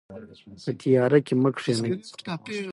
په تیاره کې مه کښینئ.